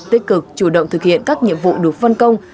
tích cực chủ động thực hiện các nhiệm vụ được phân công